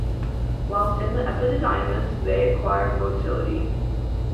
Whilst in the epididymis, they acquire motility.